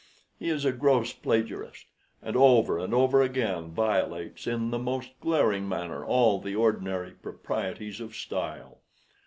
He is a gross plagiarist, and over and over again violates in the most glaring manner all the ordinary proprieties of style.